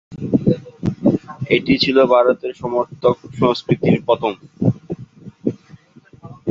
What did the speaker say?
এটি ছিল ভারতের সমর্থক সংস্কৃতির প্রথম।